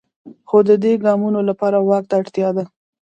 خو د دې ګامونو لپاره واک ته اړتیا ده.